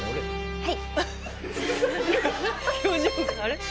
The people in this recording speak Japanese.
はい。